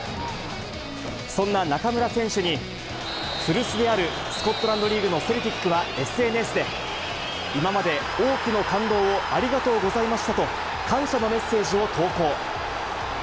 そんな中村選手に、古巣であるスコットランドリーグのセルティックはＳＮＳで、今まで多くの感動をありがとうございましたと、感謝のメッセージを投稿。